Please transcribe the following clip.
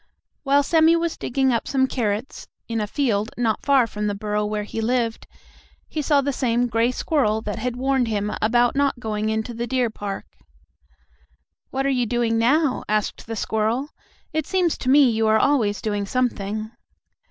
While Sammie was digging up some carrots, in a field not far from the burrow where he lived, he saw the same gray squirrel that had warned him about not going into the deer park. "What are you doing now?" asked the squirrel. "It seems to me you are always doing something."